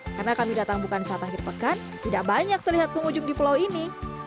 karena kami datang bukan saat akhir pekan tidak banyak terlihat penghujung di pulau ini